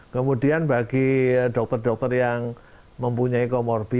kemudian bagi dokter dokter yang mempunyai comorbid